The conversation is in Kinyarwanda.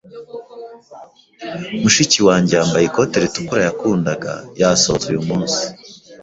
Mushiki wanjye, yambaye ikote ritukura yakundaga, yasohotse uyu munsi.